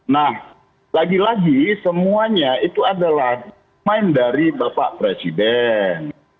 nah lagi lagi semuanya itu adalah main dari bapak presiden